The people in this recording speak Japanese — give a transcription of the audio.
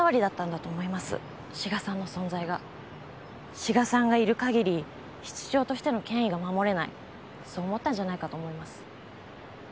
志賀さんがいる限り室長としての権威が守れないそう思ったんじゃないかと思います。